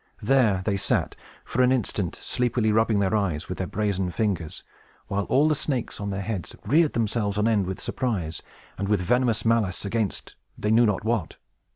There they sat, for an instant, sleepily rubbing their eyes with their brazen fingers, while all the snakes on their heads reared themselves on end with surprise, and with venomous malice against they knew not what.